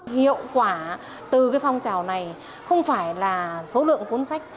hiệu quả từ phong trào này không phải là số lượng cuốn sách